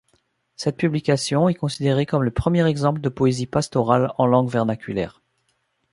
Cette publication est considérée comme le premier exemple de poésie pastorale en langue vernaculaire.